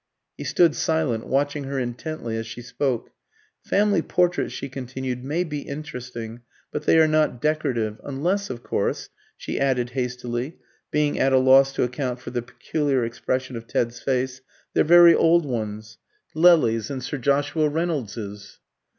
He stood silent, watching her intently as she spoke. "Family portraits," she continued, "may be interesting, but they are not decorative. Unless, of course," she added, hastily, being at a loss to account for the peculiar expression of Ted's face, "they're very old ones Lelys and Sir Joshua Reynoldses."